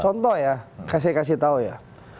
contoh ya kasih kasih tahu ya